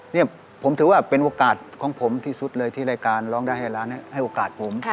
นี่ผมถือว่าเป็นโอกาสของผมที่สุดเลยที่รายการร้องได้ให้ร้านให้โอกาสผม